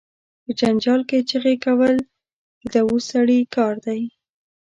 په جنجال کې چغې کول، د دووث سړی کار دي.